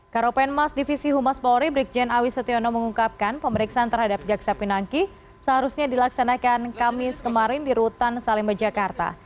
karopenmas divisi humas polri brikjen awisetiono mengungkapkan pemeriksaan terhadap jaksa pinangki seharusnya dilaksanakan kamis kemarin di rutan salimba jakarta